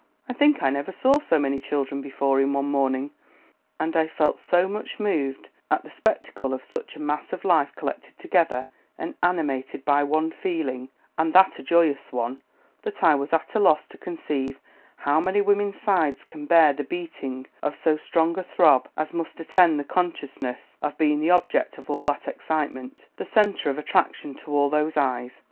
... I think I never saw so many children before in one morning, and I felt so much moved at the spectacle of such a mass of life collected together and animated by one feeling, and that a joyous one, that I was at a loss to conceive how any woman's sides can bear the beating of so strong a throb as must attend the consciousness of being the object of all that excitement, the centre of attraction to all those eyes.